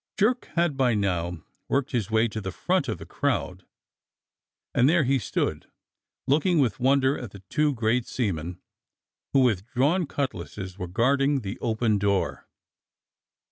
Jerk had by now worked his way to the front of the crowd, and there he stood looking with wonder at the two great seamen who with drawn cutlasses were guarding the open door.